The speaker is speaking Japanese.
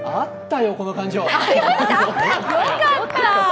よかった。